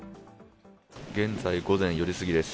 現在、午前４時すぎです。